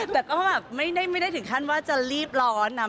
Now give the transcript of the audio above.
แต่ก็แบบไม่ได้ถึงขั้นว่าจะรีบร้อนนะ